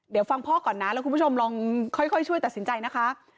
เดี๋ยวฟังพ่อก่อนนะแล้วคุณผู้ชมลองค่อยช่วยตัดสินใจนะคะ